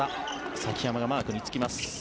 崎濱がマークにつきます。